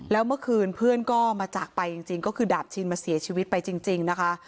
แล้วเมื่อคืนเพื่อนก็มาจากไปจริงก็คือดาบชินมาเสียชีวิตไปจริงนะคะ